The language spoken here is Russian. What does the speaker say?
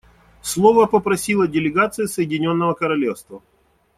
Слова просила делегация Соединенного Королевства.